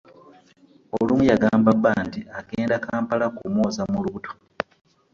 Olumu yagamba bba nti agenda Kampala kumwoza mu lubuto.